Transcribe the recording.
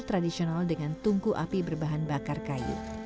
tradisional dengan tungku api berbahan bakar kayu